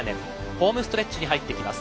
ホームストレッチに入ってきます。